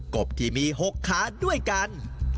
กบที่มี๖ขาด้วยกัน